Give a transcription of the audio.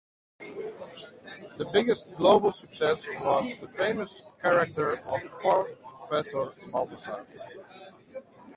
The biggest global success was with the famous character of Professor Balthazar.